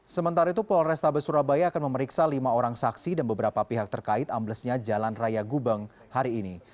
sementara itu polrestabes surabaya akan memeriksa lima orang saksi dan beberapa pihak terkait amblesnya jalan raya gubeng hari ini